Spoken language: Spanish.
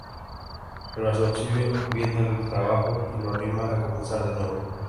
Pero a su auxilio viene el trabajo y lo anima a comenzar de nuevo.